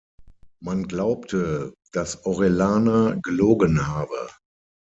Man glaubte, dass Orellana gelogen habe.